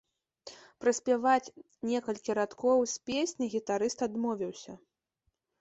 Праспяваць некалькі радкоў з песні гітарыст адмовіўся.